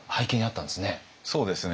そうですね。